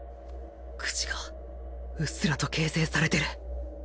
口がうっすらと形成されてる！